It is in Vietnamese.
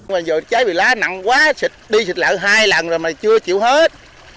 bệnh cháy bìa lá nặng quá đi xịt lại hai lần rồi mà chưa chịu hết